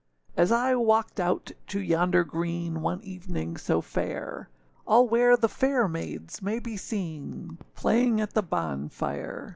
As I walked out to yonder green, One evening so fair; All where the fair maids may be seen Playing at the bonfire.